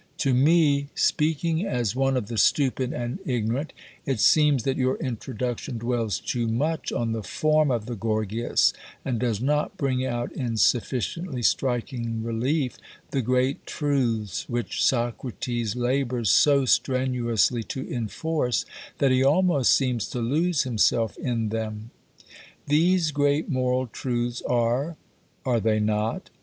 To me, speaking as one of the stupid and ignorant, it seems that your Introduction dwells too much on the form of the Gorgias and does not bring out in sufficiently striking relief the great truths which Socrates labours so strenuously to enforce that he almost seems to lose himself in them. These great moral truths are (are they not?)